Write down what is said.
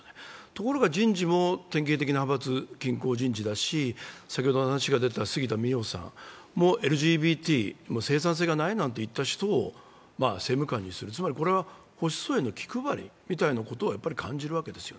ところが人事も典型的な派閥、均衡人事だし、杉田水脈さんもＬＧＢＴに生産性がないなんて言った人を政務官にする、つまり、これは保守層への気配りみたいなことを感じるわけです。